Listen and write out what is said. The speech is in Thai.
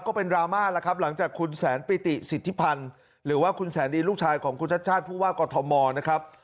ก็เป็นดราม่าแล้วครับหลังจากคุณแสนปิติสิทธิพันธ์หรือว่าคุณแสนดีลูกชายของคุณชาติชาติผู้ว่ากอทมนะครับ